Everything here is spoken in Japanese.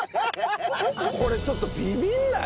これちょっとビビんない？